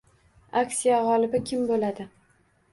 Aksiya gʻolibi kim boʻladi?